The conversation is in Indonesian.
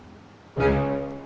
sim juga aman